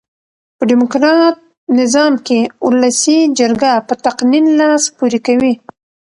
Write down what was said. په ډیموکرات نظام کښي اولسي جرګه په تقنين لاس پوري کوي.